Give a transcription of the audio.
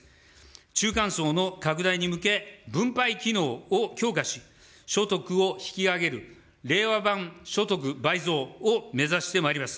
中間層の拡大に向け、分配機能を強化し、所得を引き上げる、令和版所得倍増を目指してまいります。